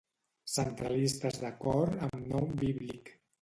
Centralistes de cor amb nom bíblic.